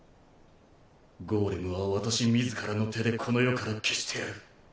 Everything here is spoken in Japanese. ゴーレムは私自らの手でこの世から消してやる。